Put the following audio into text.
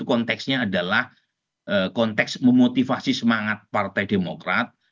konteksnya adalah konteks memotivasi semangat partai demokrat